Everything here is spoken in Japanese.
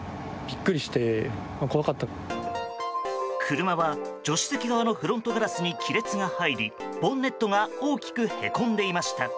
車は、助手席側のフロントガラスに亀裂が入りボンネットが大きく、へこんでいました。